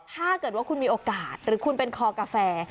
ถ้าเกิดว่าคุณมีโอกาสหรือคุณเป็นคอกาแฟ